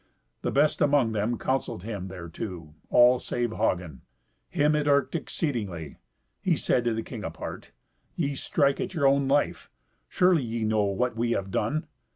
The best among them counselled him thereto—all save Hagen. Him it irked exceedingly. He said to the king apart, "Ye strike at your own life. Surely ye know what we have done.